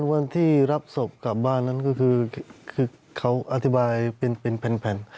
วันที่รับศพกลับบ้านนั้นก็คือเขาอธิบายเป็นแผ่น